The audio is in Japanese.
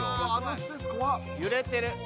揺れてる。